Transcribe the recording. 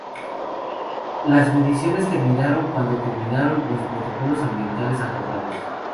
Las mediciones terminaron cuando terminaron los protocolos ambientales acordados.